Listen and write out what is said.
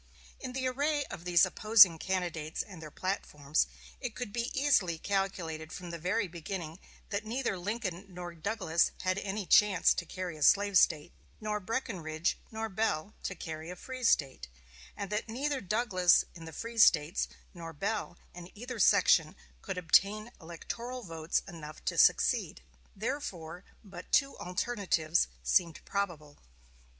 In the array of these opposing candidates and their platforms, it could be easily calculated from the very beginning that neither Lincoln nor Douglas had any chance to carry a slave State, nor Breckinridge nor Bell to carry a free State; and that neither Douglas in the free States, nor Bell in either section could obtain electoral votes enough to succeed. Therefore, but two alternatives seemed probable.